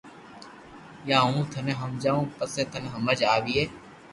يا ھون ٿني ھمجاوُ پسي ٿني ھمج آوئي